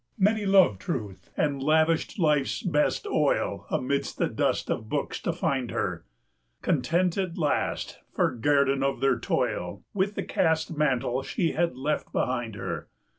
Many loved Truth, and lavished life's best oil Amid the dust of books to find her, Content at last, for guerdon of their toil, With the cast mantle she hath left behind her.